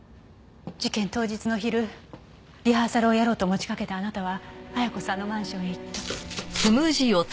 事件当日の昼リハーサルをやろうと持ち掛けたあなたは綾子さんのマンションへ行った。